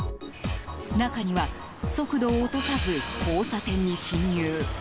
中には速度を落とさず交差点に進入。